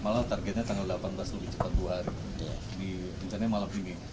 malah targetnya tanggal delapan belas lebih cepat dua hari